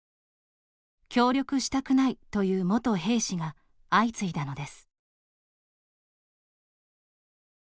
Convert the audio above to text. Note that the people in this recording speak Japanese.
協力したくないという元兵士が相次いだのです。